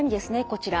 こちら